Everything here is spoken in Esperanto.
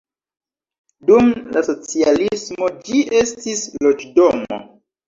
Dum la socialismo ĝi estis loĝdomo.